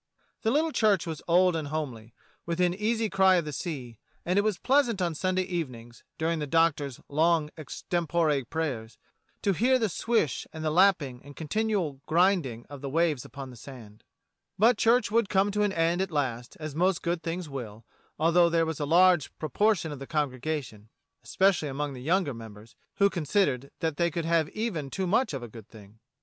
The little church was old and homely, within easy cry of the sea; and it was pleasant on Sunday evenings, during the Doctor's long extempore prayers, to hear the swish and the lapping and continual grinding of the waves upon the sand. But church would come to an end at last, as most good things will, although there was a large proportion of the congregation — especially among the younger members — who considered that they could have even too much of a good thing.